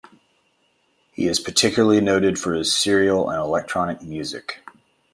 He is particularly noted for his serial and electronic music.